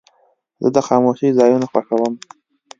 زه د خاموشۍ ځایونه خوښوم.